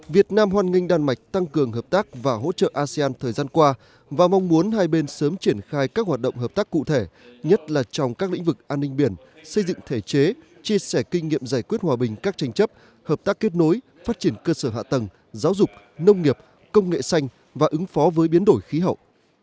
việt nam hoan nghênh đan mạch tăng cường hợp tác và hỗ trợ asean thời gian qua và mong muốn hai bên sớm triển khai các hoạt động hợp tác cụ thể nhất là trong các lĩnh vực an ninh biển xây dựng thể chế chia sẻ kinh nghiệm giải quyết hòa bình các tranh chấp hợp tác kết nối phát triển cơ sở hạ tầng giáo dục nông nghiệp công nghệ xanh và ứng phó với biến đổi khí hậu